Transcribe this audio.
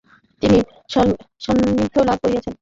তিনি সান্নিধ্য লাভ করেছিলেন।